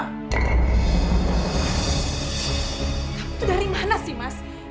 kamu tuh dari mana sih mas